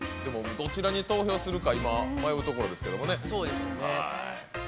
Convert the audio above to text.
どちらに投票するか迷うところですけどね。